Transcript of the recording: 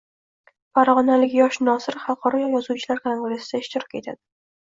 Farg‘onalik yosh nosir xalqaro yozuvchilar kongressida ishtirok etadi